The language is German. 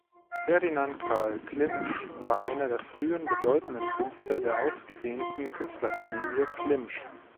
Ferdinand Karl Klimsch war einer der frühen bedeutenden Künstler der ausgedehnten Künstlerfamilie Klimsch.